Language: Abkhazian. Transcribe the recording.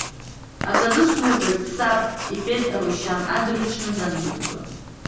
Аказы суҳәоит, саб, — иҳәеит Арушьан, адырҩаҽны дандәықәла.